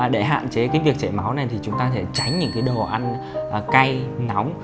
để hạn chế cái việc chảy máu này thì chúng ta sẽ tránh những cái đồ ăn cay nóng